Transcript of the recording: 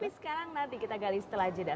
tapi sekarang nanti kita gali setelah jeda